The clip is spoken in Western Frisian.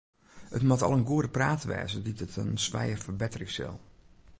It moat al in goede prater wêze dy't it in swijer ferbetterje sil.